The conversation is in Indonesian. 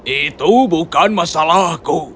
itu bukan masalahku